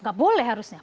tidak boleh harusnya